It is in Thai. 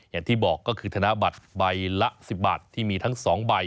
อย่างที่บอกก็คือธนบัตรใบละ๑๐บาทที่มีทั้ง๒ใบ